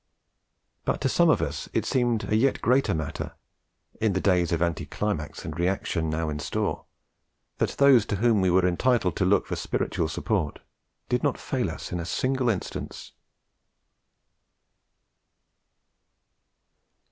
But to some of us it seemed a yet greater matter, in the days of anti climax and reaction now in store, that those to whom we were entitled to look for spiritual support did not fail us in a single instance.